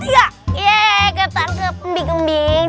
ganteng ganteng kembing kembing